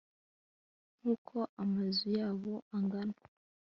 nk'uko amazu yabo angana